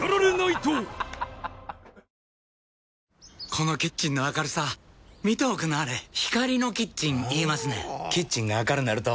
このキッチンの明るさ見ておくんなはれ光のキッチン言いますねんほぉキッチンが明るなると・・・